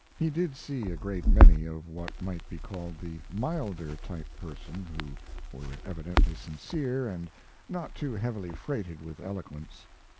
He did see a great many of what might be called the milder type persons who were evidently sincere and not too heavily freighted with eloquence.